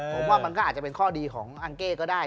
ผมว่ามันก็อาจจะเป็นข้อดีของอังเก้ก็ได้